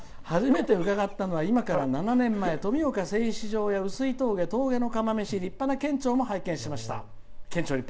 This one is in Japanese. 「初めて伺ったのは今から７年前富岡製糸場や碓氷峠峠の釜飯、立派な県庁も拝見しました。